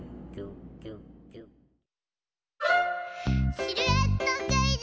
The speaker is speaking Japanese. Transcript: シルエットクイズ！